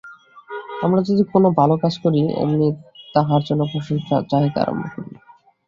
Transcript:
আমরা যদি কোন ভাল কাজ করি, অমনি তাহার জন্য প্রশংসা চাহিতে আরম্ভ করি।